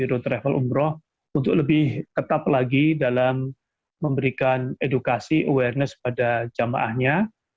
untuk lebih tetap lagi dalam memberikan edukasi awareness pada jemaahnya